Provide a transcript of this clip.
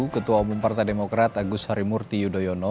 ketua umum partai demokrat agus harimurti yudhoyono